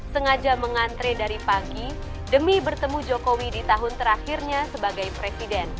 sengaja mengantre dari pagi demi bertemu jokowi di tahun terakhirnya sebagai presiden